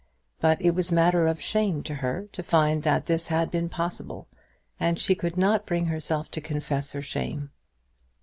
But it was matter of shame to her to find that this had been possible, and she could not bring herself to confess her shame.